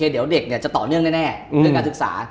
เด็กจะต่อเนื่องแน่เดี่ยวการศึกษา